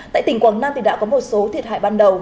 tại tỉnh quảng nam đã có một số thiệt hại ban đầu